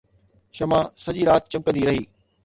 شمع سڄي رات چمڪندي رهي